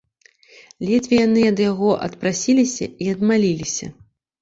Ледзьве яны ад яго адпрасіліся і адмаліліся.